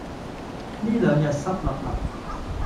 呢兩日濕立立